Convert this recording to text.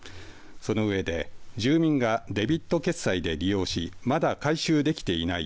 その上で住民がデビット決済で利用しまだ回収できていない